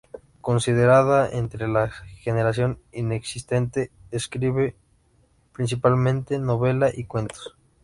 Considerada entre la "Generación inexistente", escribe principalmente novela y cuentos.